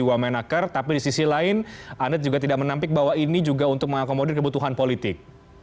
wamenaker tapi di sisi lain anda juga tidak menampik bahwa ini juga untuk mengakomodir kebutuhan politik